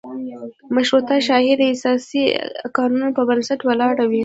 مشروطه شاهي د اساسي قانون په بنسټ ولاړه وي.